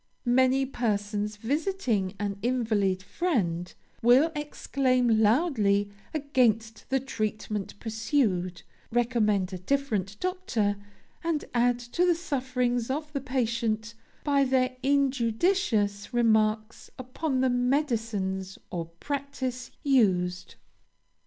Many persons, visiting an invalid friend, will exclaim loudly against the treatment pursued, recommend a different doctor, and add to the sufferings of the patient by their injudicious remarks upon the medicines or practice used.